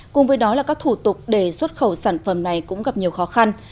cùng với đó là các thủ tục để xuất khẩu sản phẩm này cũng gặp nhiều khó khăn